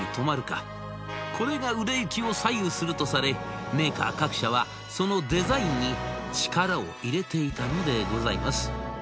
これが売れ行きを左右するとされメーカー各社はそのデザインに力を入れていたのでございます。